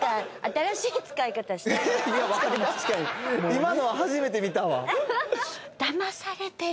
今のは初めて見たわ。